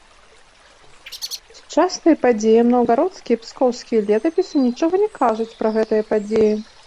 Сучасныя падзеям наўгародскія і пскоўскія летапісы нічога не кажуць пра гэтыя падзеі.